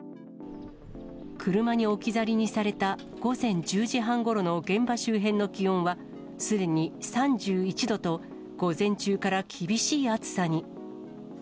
車に置き去りにされた午前１０時半ごろの現場周辺の気温は、すでに３１度と、午前中から厳しい暑さに。